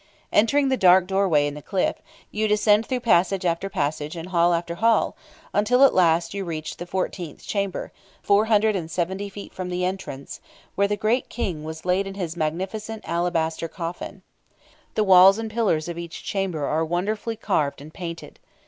Entering the dark doorway in the cliff, you descend through passage after passage and hall after hall, until at last you reach the fourteenth chamber, "the gold house of Osiris," 470 feet from the entrance, where the great King was laid in his magnificent alabaster coffin. The walls and pillars of each chamber are wonderfully carved and painted.